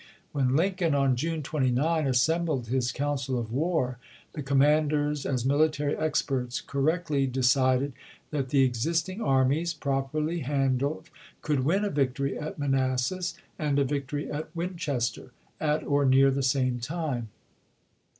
When Lincoln, on June 29, assembled his council of war, the commanders, as military ex perts, correctly decided that the existing armies — properly handled — could win a victory at Manas sas and a victory at Winchester, at or near the same time.